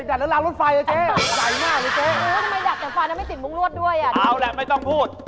เจ๊ไปดูแลสเตอร์นี้ดิลุงนี่ก็ไรจะสด